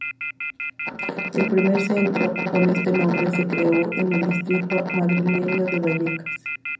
El primer centro con este nombre se creó en el distrito madrileño de Vallecas.